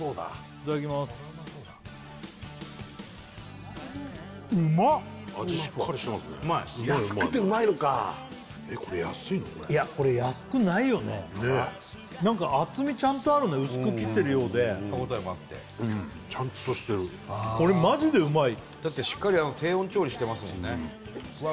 いただきまーすうまいうまい安くてうまいのかいやこれ安くないよねねえなんか厚みちゃんとあるね薄く切ってるようで歯ごたえもあってうんちゃんとしてるだってしっかり低温調理してますもんねうわ